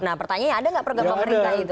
nah pertanyaannya ada nggak program pemerintah itu